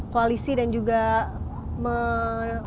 koalisi dan juga melihat dulu ya pak ya